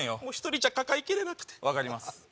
もう１人じゃ抱えきれなくて分かります